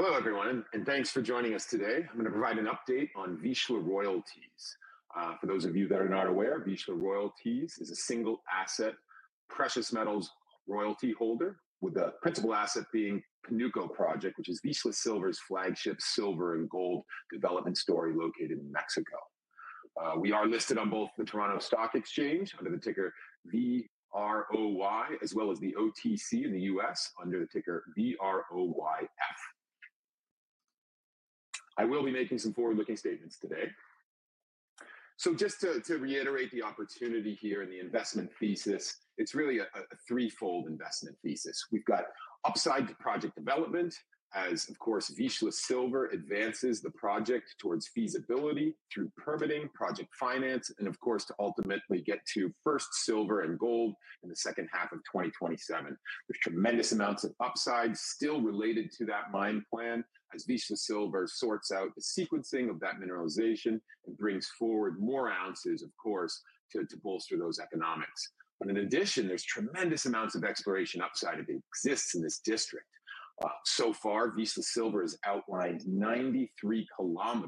Hello everyone, and thanks for joining us today. I'm going to provide an update on Vizsla Royalties. For those of you that are not aware, Vizsla Royalties is a single asset, precious metals royalty holder, with the principal asset being the Panuco Project, which is Vizsla Silver's flagship silver and gold development story located in Mexico. We are listed on both the Toronto Stock Exchange under the ticker VROY, as well as the OTC in the U.S. under the ticker VROYF. I will be making some forward-looking statements today. Just to reiterate the opportunity here and the investment thesis, it's really a threefold investment thesis. We've got upside to project development, as of course Vizsla Silver advances the project towards feasibility through permitting, project finance, and of course to ultimately get to first silver and gold in the second half of 2027. There are tremendous amounts of upside still related to that mine plan as Vizsla Silver sorts out the sequencing of that mineralization and brings forward more oz, of course, to bolster those economics. In addition, there are tremendous amounts of exploration upside that exists in this district. So far, Vizsla Silver has outlined 93 km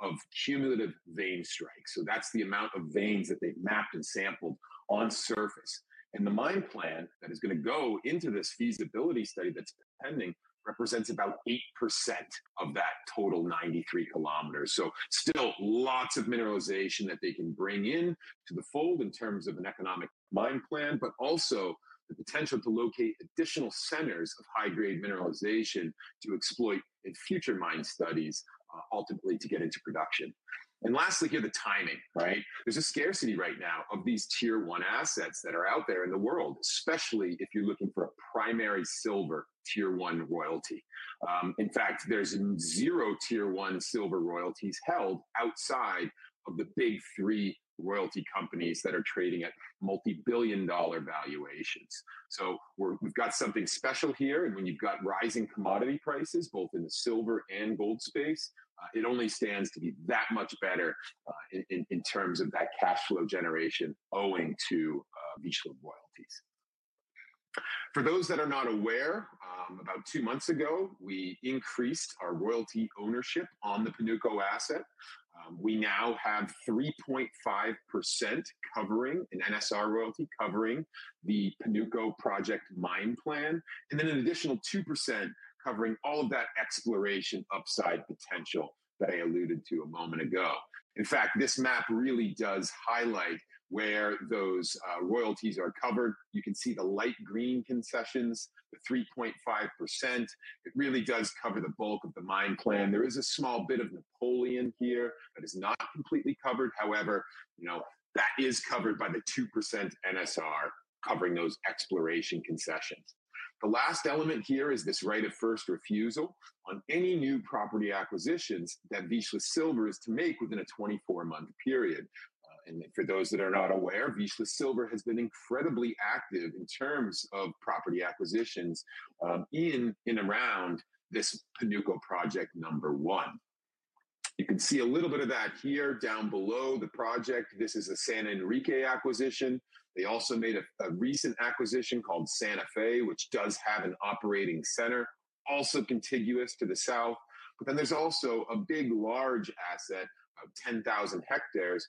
of cumulative vein strikes. That's the amount of veins that they've mapped and sampled on surface. The mine plan that is going to go into this feasibility study that's pending represents about 8% of that total 93 km. There is still lots of mineralization that they can bring into the fold in terms of an economic mine plan, but also the potential to locate additional centers of high-grade mineralization to exploit in future mine studies, ultimately to get into production. Lastly, here the timing, right? There's a scarcity right now of these tier one assets that are out there in the world, especially if you're looking for a primary silver tier one royalty. In fact, there's zero tier one silver royalties held outside of the big three royalty companies that are trading at multi-billion dollar valuations. We've got something special here, and when you've got rising commodity prices, both in the silver and gold space, it only stands to be that much better in terms of that cash flow generation owing to Vizsla Royalties. For those that are not aware, about two months ago, we increased our royalty ownership on the Panuco asset. We now have 3.5% covering a NSR royalty covering the Panuco Project mine plan, and then an additional 2% covering all of that exploration upside potential that I alluded to a moment ago. In fact, this map really does highlight where those royalties are covered. You can see the light green concessions, the 3.5%. It really does cover the bulk of the mine plan. There is a small bit of Napoleon here that is not completely covered. However, you know that is covered by the 2% NSR covering those exploration concessions. The last element here is this right of first refusal on any new property acquisitions that Vizsla Silver is to make within a 24-month period. For those that are not aware, Vizsla Silver has been incredibly active in terms of property acquisitions in and around this Panuco Project number one. You can see a little bit of that here down below the project. This is a San Enrique acquisition. They also made a recent acquisition called Santa Fe, which does have an operating centre, also contiguous to the south. There is also a big large asset of 10,000 hectares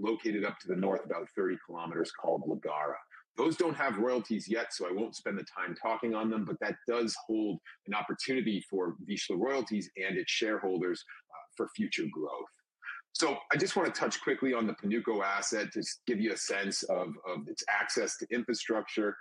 located up to the north, about 30 km, called La Garra. Those don't have royalties yet, so I won't spend the time talking on them, but that does hold an opportunity for Vizsla Royalties Corp. and its shareholders for future growth. I just want to touch quickly on the Panuco asset to give you a sense of its access to infrastructure,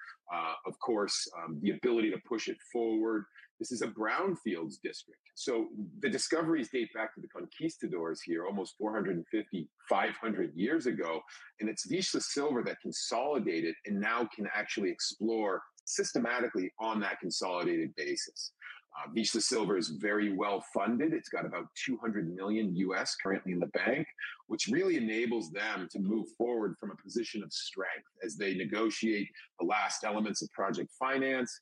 of course, the ability to push it forward. This is a brownfield district. The discoveries date back to the conquistadors here almost 450, 500 years ago, and it's Vizsla Silver that consolidated and now can actually explore systematically on that consolidated basis. Vizsla Silver is very well funded. It's got about $200 million currently in the bank, which really enables them to move forward from a position of strength as they negotiate the last elements of project finance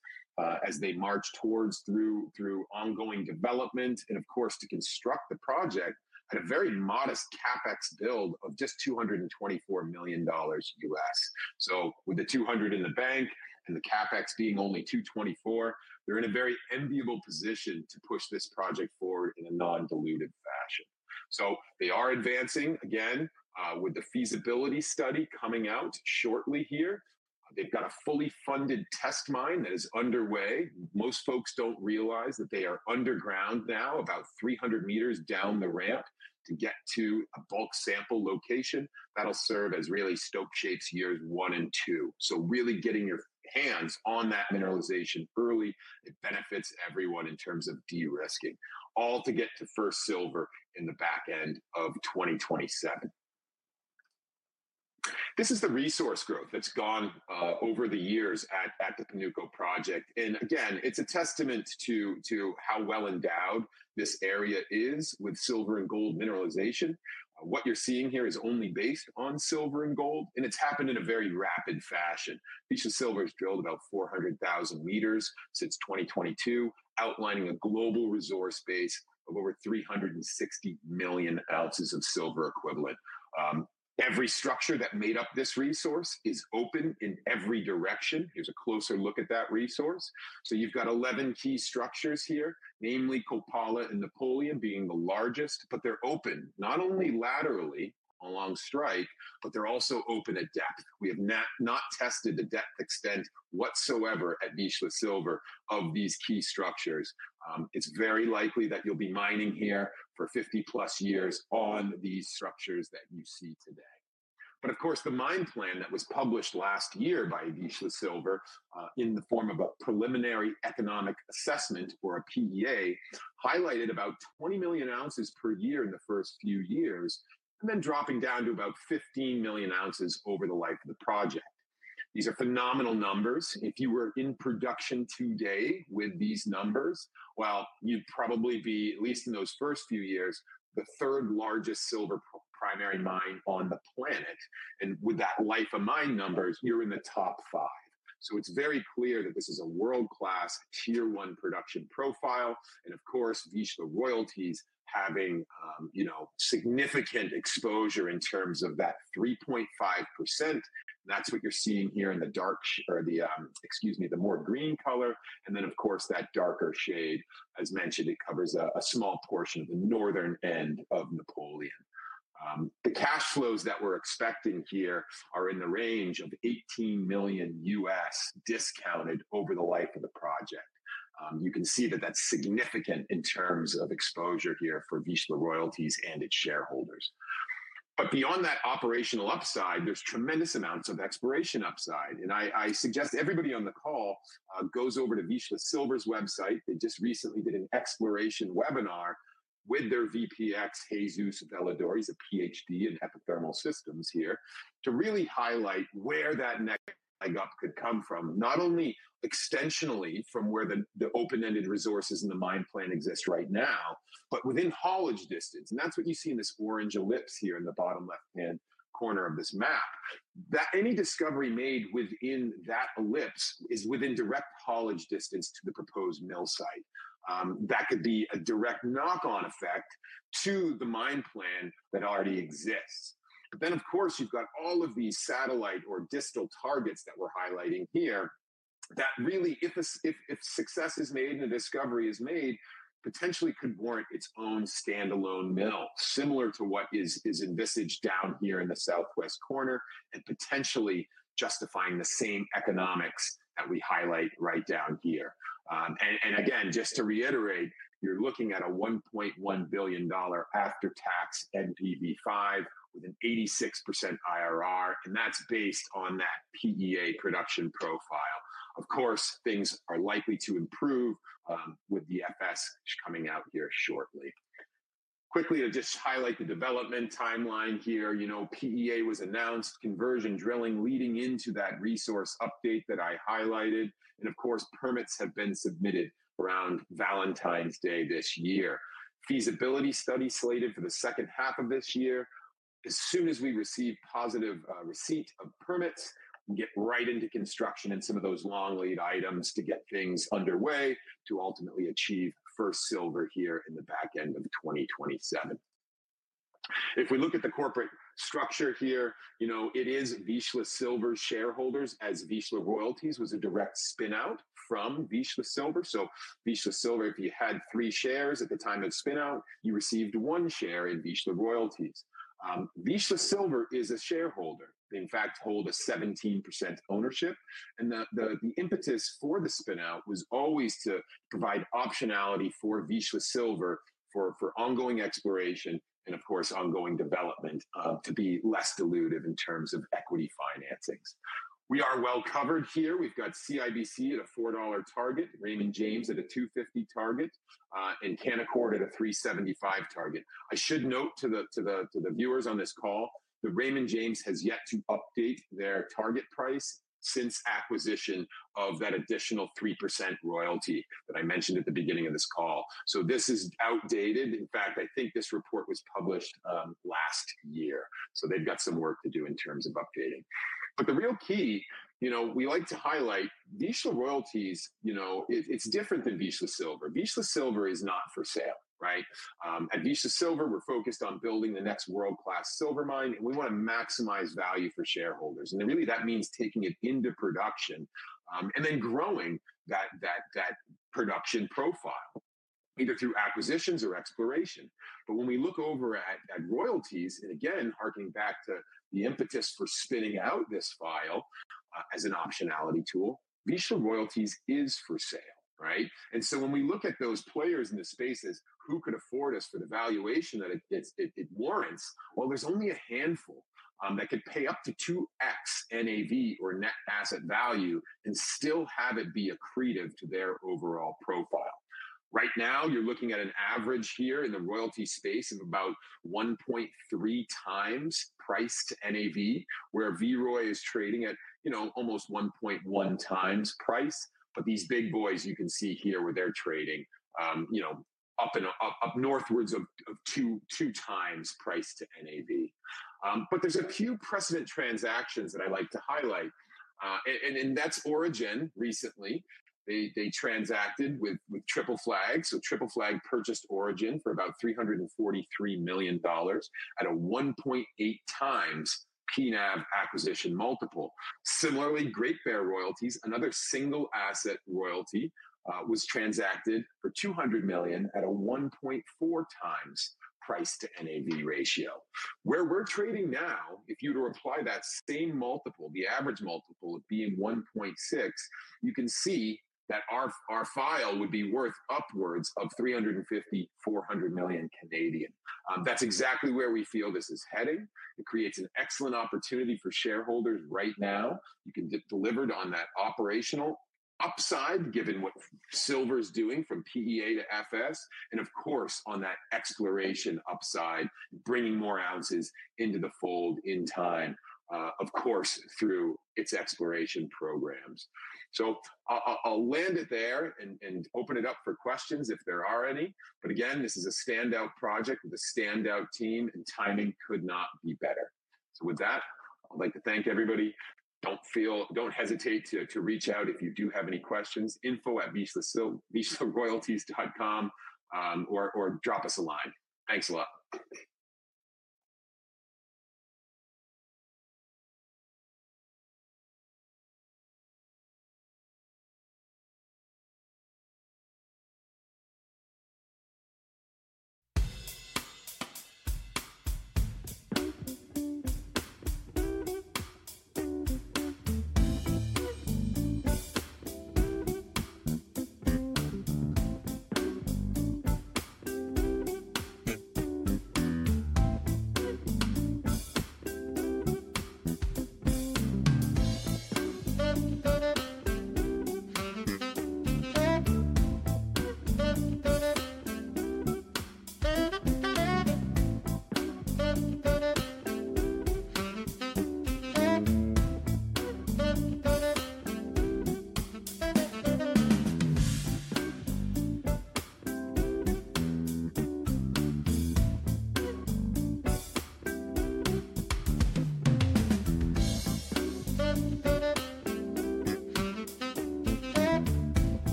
as they march towards through ongoing development, and of course to construct the project at a very modest CapEx bill of just $224 million. With the $200 million in the bank and the CapEx being only $224 million, they're in a very enviable position to push this project forward in a non-dilutive fashion. They are advancing again with the feasibility study coming out shortly here. They've got a fully funded test mine that is underway. Most folks don't realize that they are underground now, about 300 m down the ramp to get to a bulk sample location that'll serve as really stope shapes years one and two. Really getting your hands on that mineralization early benefits everyone in terms of de-risking, all to get to first silver in the back end of 2027. This is the resource growth that's gone over the years at the Panuco Project. Again, it's a testament to how well endowed this area is with silver and gold mineralization. What you're seeing here is only based on silver and gold, and it's happened in a very rapid fashion. Vizsla Silver has drilled about 400,000 m since 2022, outlining a global resource base of over 360 million oz of silver equivalent. Every structure that made up this resource is open in every direction. Here's a closer look at that resource. You've got 11 key structures here, namely Copala and Napoleon being the largest, but they're open not only laterally along strike, but they're also open at depth. We have not tested the depth extent whatsoever at Vizsla Silver of these key structures. It's very likely that you'll be mining here for 50+ years on these structures that you see today. The mine plan that was published last year by Vizsla Silver in the form of a preliminary economic assessment, or a PEA, highlighted about 20 million oz per year in the first few years, then dropping down to about 15 million oz over the life of the project. These are phenomenal numbers. If you were in production today with these numbers, you'd probably be, at least in those first few years, the third largest silver primary mine on the planet. With that life of mine number here in the top five, it's very clear that this is a world-class tier one production profile. Vizsla Royalties has significant exposure in terms of that 3.5%. That's what you're seeing here in the more green color, and that darker shade, as mentioned, covers a small portion of the northern end of Napoleon. The cash flows that we're expecting here are in the range of $18 million discounted over the life of the project. You can see that that's significant in terms of exposure here for Vizsla Royalties and its shareholders. Beyond that operational upside, there's tremendous amounts of exploration upside. I suggest everybody on the call goes over to Vizsla Silver's website. They just recently did an exploration webinar with their VPX, Jesus Velador, a PhD in epithermal systems here, to really highlight where that next leg up could come from, not only extensionally from where the open-ended resources in the mine plan exist right now, but within haulage distance. That's what you see in this orange ellipse here in the bottom left-hand corner of this map. Any discovery made within that ellipse is within direct haulage distance to the proposed mill site. That could be a direct knock-on effect to the mine plan that already exists. Of course, you've got all of these satellite or distal targets that we're highlighting here that really, if success is made and a discovery is made, potentially could warrant its own standalone mill, similar to what is envisaged down here in the southwest corner and potentially justifying the same economics that we highlight right down here. Again, just to reiterate, you're looking at a 1.1 billion dollar after-tax NPV5 with an 86% IRR, and that's based on that preliminary economic assessment production profile. Of course, things are likely to improve with the feasibility study coming out here shortly. Quickly to just highlight the development timeline here, PEA was announced, conversion drilling leading into that resource update that I highlighted. Permits have been submitted around Valentine's Day this year. Feasibility study slated for the second half of this year. As soon as we receive positive receipt of permits, we get right into construction and some of those long lead items to get things underway to ultimately achieve first silver here in the back end of 2027. If we look at the corporate structure here, it is Vizsla Silver's shareholders as Vizsla Royalties was a direct spin-out from Vizsla Silver. Vizsla Silver, if you had three shares at the time of spin-out, you received one share in Vizsla Royalties. Vizsla Silver is a shareholder. In fact, hold a 17% ownership. The impetus for the spin-out was always to provide optionality for Vizsla Silver. for ongoing exploration and ongoing development to be less dilutive in terms of equity financings. We are well covered here. We've got CIBC at a 4 dollar target, Raymond James at a 2.50 target, and Canaccord at a 3.75 target. I should note to the viewers on this call that Raymond James has yet to update their target price since acquisition of that additional 3% royalty that I mentioned at the beginning of this call. This is outdated. In fact, I think this report was published last year. They've got some work to do in terms of updating. The real key, you know, we like to highlight Vizsla Royalties, you know, it's different than Vizsla Silver. Vizsla Silver is not for sale, right? At Vizsla Silver, we're focused on building the next world-class silver mine, and we want to maximize value for shareholders. That really means taking it into production and then growing that production profile either through acquisitions or exploration. When we look over at royalties, and again, arguing back to the impetus for spinning out this file as an optionality tool, Vizsla Royalties is for sale, right? When we look at those players in the space who could afford us for the valuation that it warrants, well, there's only a handful that could pay up to 2x NAV or net asset value and still have it be accretive to their overall profile. Right now, you're looking at an average here in the royalty space of about 1.3x price to NAV, where VROY is trading at almost 1.1x price. These big boys, you can see here where they're trading, up northwards of 2x price to NAV. There are a few precedent transactions that I like to highlight. In that, Origin recently transacted with Triple Flag. Triple Flag purchased Origin for about 343 million dollars at a 1.8x P/NAV acquisition multiple. Similarly, Great Bear Royalties, another single asset royalty, was transacted for 200 million at a 1.4x price to NAV ratio. Where we're trading now, if you were to apply that same multiple, the average multiple being 1.6x, you can see that our file would be worth upwards of 350 million, 400 million Canadian. That's exactly where we feel this is heading. It creates an excellent opportunity for shareholders right now. It can get delivered on that operational upside, given what silver is doing from PEA to FS, and of course on that exploration upside, bringing more ounces into the fold in time, of course, through its exploration programs. I'll land it there and open it up for questions if there are any. This is a standout project with a standout team, and timing could not be better. With that, I'd like to thank everybody. Don't hesitate to reach out if you do have any questions. Info@vizslaroyalties.com or drop us a line. Thanks a lot.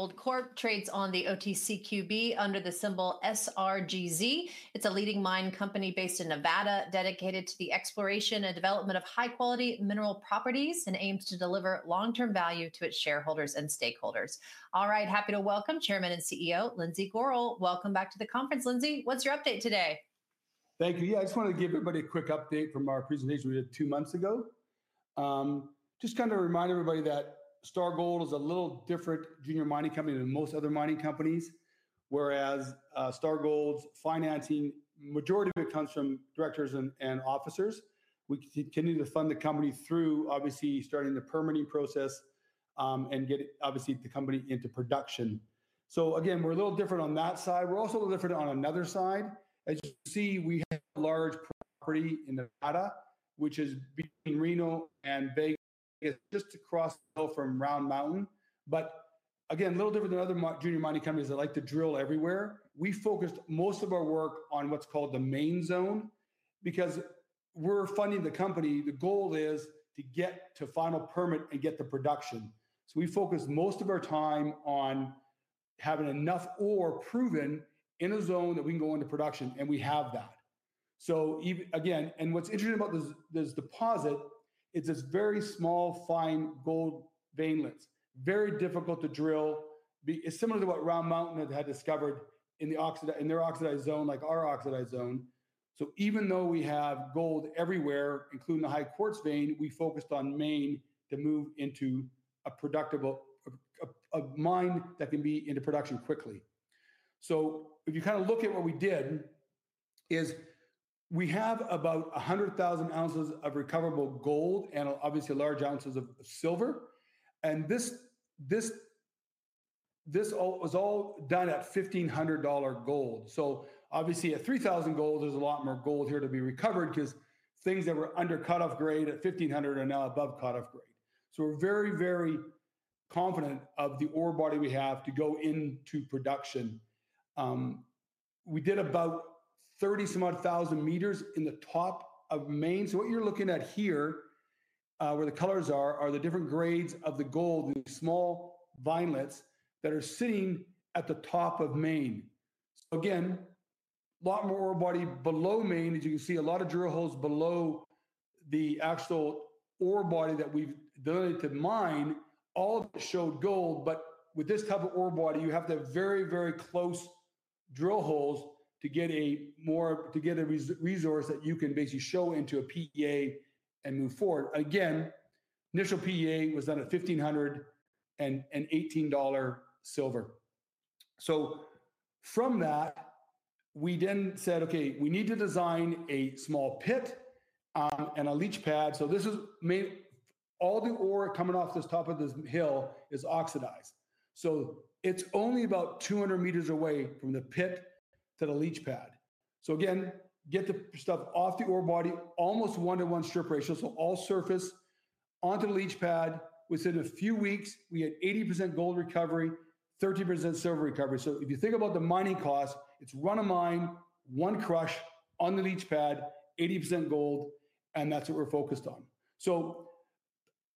Star Gold Corp trades on the OTCQB under the symbol SRGZ. It's a leading royalty company based in Nevada, dedicated to the exploration and development of high-quality mineral properties and aims to deliver long-term value to its shareholders and stakeholders. All right, happy to welcome Chairman and CEO Lindsay Gorrill. Welcome back to the conference, Lindsay. What's your update today? Thank you. Yeah, I just wanted to give everybody a quick update from our presentation we had two months ago. Just kind of remind everybody that Star Gold is a little different junior mining company than most other mining companies, whereas Star Gold's financing majority of it comes from directors and officers. We continue to fund the company through, obviously, starting the permitting process and getting obviously the company into production. We're a little different on that side. We're also a little different on another side. As you see, we have a large property in Mexico, which is between major mining districts, just across the hill from other significant projects. A little different than other junior mining companies that like to drill everywhere, we focused most of our work on what's called the main zone because we're funding the company. The goal is to get to final permit and get to production. We focus most of our time on having enough ore proven in a zone that we can go into production, and we have that. What's interesting about this deposit, it's this very small fine gold veinlets, very difficult to drill. It's similar to what other major projects had discovered in their oxidized zone, like our oxidized zone. Even though we have gold everywhere, including the high quartz vein, we focused on main to move into a productive mine that can be into production quickly. If you kind of look at what we did, we have about 100,000 oz of recoverable gold and obviously large ounces of silver. This was all done at $1,500 gold. At $3,000 gold, there's a lot more gold here to be recovered because things that were under cutoff grade at $1,500 are now above cutoff grade. We're very, very confident of the ore body we have to go into production. We did about 30 some odd thousand metres in the top of main. What you're looking at here, where the colors are, are the different grades of the gold, the small veinlets that are sitting at the top of main. A lot more ore body below main, as you can see, a lot of drill holes below the actual ore body that we've done to mine all show gold. With this type of ore body, you have to have very, very close drill holes to get a resource that you can basically show into a preliminary economic assessment and move forward. Initial preliminary economic assessment was done at $1,518 silver. From that, we then said, okay, we need to design a small pit and a leach pad. This is mainly all the ore coming off the top of this hill, and it is oxidized. It's only about 200 m away from the pit to the leach pad. Get the stuff off the ore body, almost one-to-one strip ratio, so all surface onto the leach pad. Within a few weeks, we had 80% gold recovery and 30% silver recovery. If you think about the mining cost, it's run of mine, one crush on the leach pad, 80% gold, and that's what we're focused on.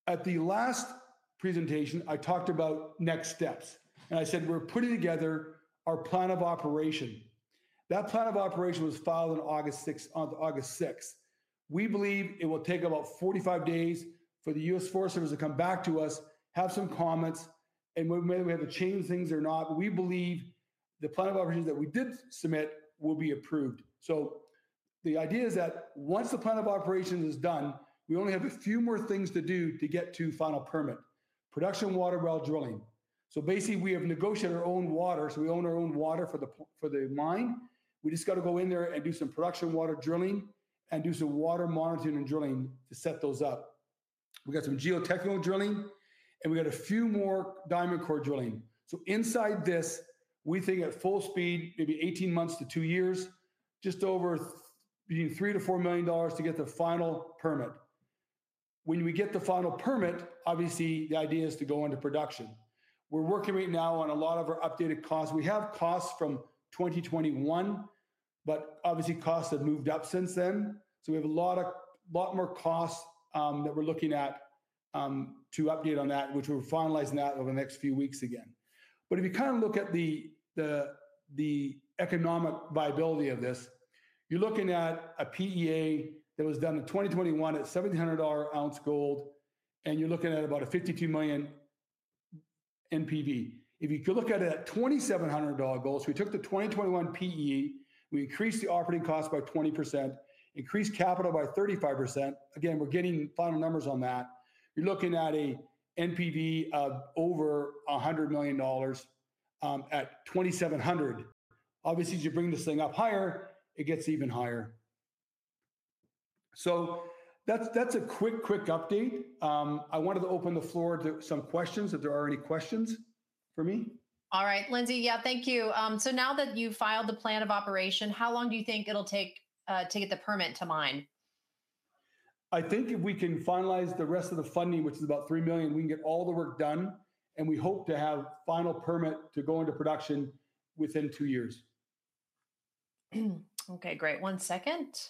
At the last presentation, I talked about next steps. I said we're putting together our plan of operations. That plan of operations was filed on August 6. We believe it will take about 45 days for the U.S. Forest Service to come back to us, have some comments, and maybe we have to change things or not. We believe the plan of operations that we did submit will be approved. The idea is that once the plan of operations is done, we only have a few more things to do to get to final permit: production water well drilling. We have negotiated our own water, so we own our own water for the mine. We just have to go in there and do some production water drilling and do some water monitoring and drilling to set those up. We have some geotechnical drilling, and we have a few more diamond core drilling. Inside this, we think at full speed, maybe 18 months to two years, just over between $3 million-$4 million to get the final permit. When we get the final permit, the idea is to go into production. We're working right now on a lot of our updated costs. We have costs from 2021, but costs have moved up since then. We have a lot more costs that we're looking at to update on that, which we're finalizing over the next few weeks. If you look at the economic viability of this, you're looking at a preliminary economic assessment that was done in 2021 at $1,700/ounce gold, and you're looking at about a $52 million after-tax NPV5. If you look at it at $2,700 gold, we took the 2021 PEA, increased the operating cost by 20%, increased capital by 35%. We're getting final numbers on that. You're looking at an NPV of over $100 million at $2,700. As you bring this thing up higher, it gets even higher. That's a quick update. I wanted to open the floor to some questions, if there are any questions for me. All right, Lindsay. Thank you. Now that you've filed the plan of operations, how long do you think it'll take to get the permit to mine? I think if we can finalize the rest of the funding, which is about $3 million, we can get all the work done, and we hope to have final permit to go into production within two years. Okay, great. One second.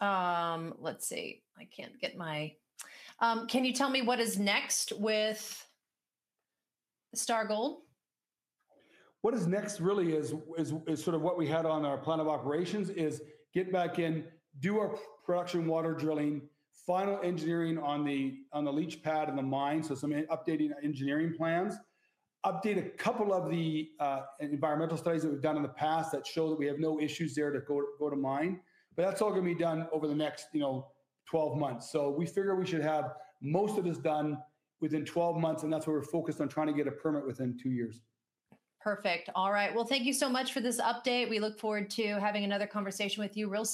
Let's see. I can't get my... Can you tell me what is next with Star Gold? What is next really is sort of what we had on our plan of operations is get back in, do our production water drilling, final engineering on the leach pad in the mine, updating engineering plans, update a couple of the environmental studies that we've done in the past that show that we have no issues there to go to mine. That's all going to be done over the next 12 months. We figure we should have most of this done within 12 months, and that's where we're focused on trying to get a permit within two years. Perfect. All right. Thank you so much for this update. We look forward to having another conversation with you very soon.